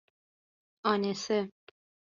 آنِسه